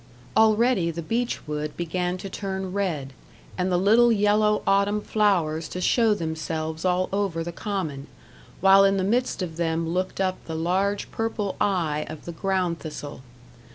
Already the beech wood began to turn red, and the little yellow autumn flowers to show themselves all over the common, while in the midst of them looked up the large purple eye of the ground thistle.